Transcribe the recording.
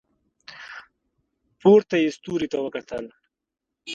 پورته یې ستوري ته وکتل.